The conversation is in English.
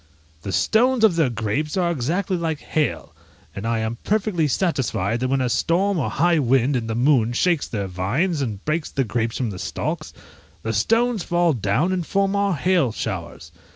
The stones of their grapes are exactly like hail; and I am perfectly satisfied that when a storm or high wind in the moon shakes their vines, and breaks the grapes from the stalks, the stones fall down and form our hail showers.